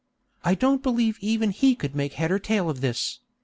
_ (I don't believe even he could make head or tail of this.)